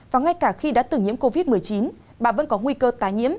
và ngay cả khi đã tử nhiễm covid một mươi chín bạn vẫn có nguy cơ tái nhiễm